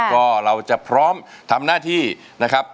ก็เราจะพร้อมทำหน้าที่นะครับ